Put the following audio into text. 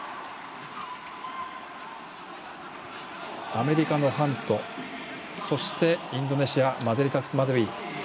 アメリカのハントそして、インドネシアマデリタクスマデウィ。